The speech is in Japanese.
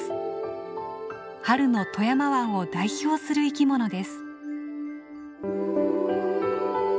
春の富山湾を代表する生きものです。